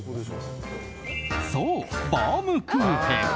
そう、バウムクーヘン。